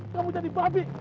kamu jadi babi cecep